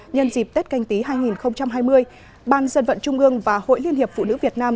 nhân dịp tết canh tí hai nghìn hai mươi ban dân vận trung ương và hội liên hiệp phụ nữ việt nam